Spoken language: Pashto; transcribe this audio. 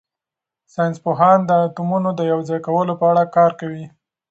ساینس پوهان د اتومونو د یوځای کولو په اړه کار کوي.